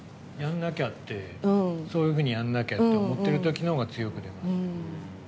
そういうふうにやんなきゃって思ってる時の方が強く出ます。